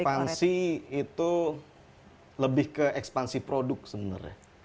ekspansi itu lebih ke ekspansi produk sebenarnya